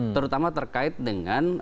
terutama terkait dengan